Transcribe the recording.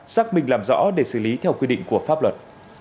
xác minh làm rõ để xử lý theo quy định của pháp luật